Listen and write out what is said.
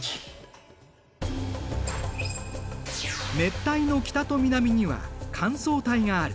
熱帯の北と南には乾燥帯がある。